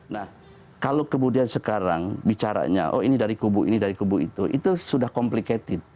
nah kalau kemudian sekarang bicaranya oh ini dari kubu ini dari kubu itu itu sudah complicated